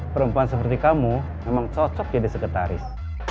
perempuan seperti kamu memang cocok jadi sekretaris